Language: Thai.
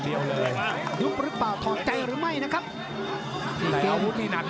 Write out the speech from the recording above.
ดูอยู่หน้าตู้ดูอยู่หน้าตู้